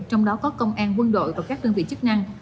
trong đó có công an quân đội và các đơn vị chức năng